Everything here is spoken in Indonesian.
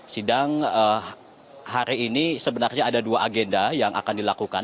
sidang hari ini sebenarnya ada dua agenda yang akan dilakukan